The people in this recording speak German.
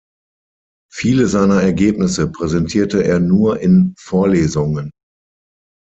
Viele seiner Ergebnisse präsentierte er nur in Vorlesungen.